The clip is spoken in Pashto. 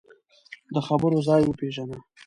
د خبرو ځای وپېژنه